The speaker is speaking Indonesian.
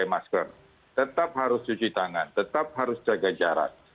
tetap harus pakai masker tetap harus cuci tangan tetap harus jaga jarak